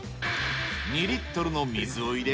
２リットルの水を入れ。